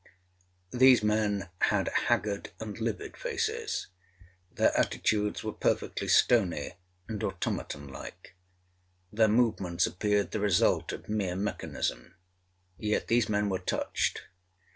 These men had haggard and livid faces—their attitudes were perfectly stony and automaton like—their movements appeared the result of mere mechanism—yet these men were touched.